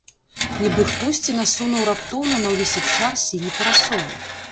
Нібы хтосьці насунуў раптоўна на ўвесь абшар сіні парасон.